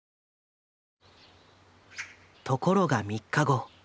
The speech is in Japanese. ところが３日後。